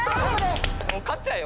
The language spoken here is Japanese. もう勝っちゃうよ